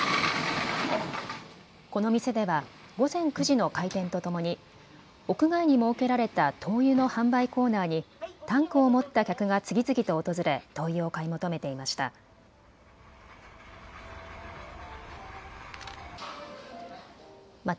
この店では午前９時の開店とともに屋外に設けられた灯油の販売コーナーにタンクを持った客が次々と訪れ灯油を買い求めていました。